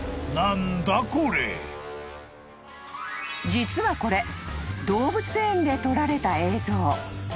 ［実はこれ動物園で撮られた映像］